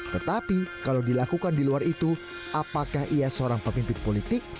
tetapi kalau dilakukan di luar itu apakah ia seorang pemimpin politik